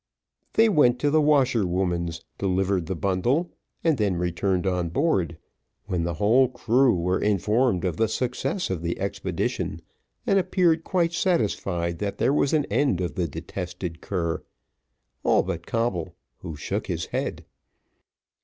They went to the washerwoman's, delivered the bundle, and then returned on board, when the whole crew were informed of the success of the expedition, and appeared quite satisfied that there was an end of the detested cur; all but Coble, who shook his head.